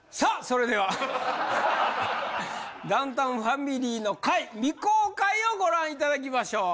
それではダウンタウンファミリーの回未公開をご覧頂きましょう。